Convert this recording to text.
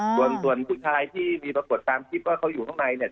ส่วนผู้ชายที่วีปรากฎตามคิดว่าเขาอยู่รอบน้ำใดเนี่ย